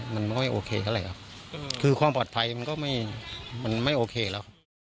มันก็ไม่โอเคก็เลยครับคือความปลอดภัยมันก็ไม่มันไม่โอเคแล้ว